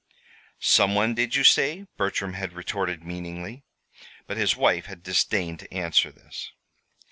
"Some one, did you say?" Bertram had retorted, meaningly; but his wife had disdained to answer this.